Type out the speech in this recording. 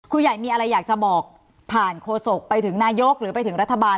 ใหญ่มีอะไรอยากจะบอกผ่านโฆษกไปถึงนายกหรือไปถึงรัฐบาล